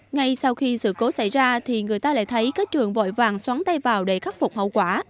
ngay sau khi sự cố xảy ra thì người ta lại thấy các trường vội vàng xoắn tay vào để khắc phục hậu quả